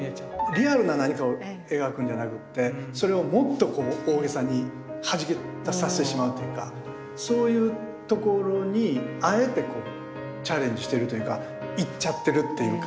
リアルな何かを描くんじゃなくってそれをもっとこう大げさにはじけさせてしまうというかそういうところにあえてこうチャレンジしてるというかいっちゃってるっていうか。